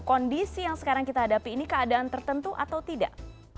kondisi yang sekarang kita hadapi ini keadaan tertentu atau tidak